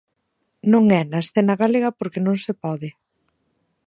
Non é na escena galega porque non se pode.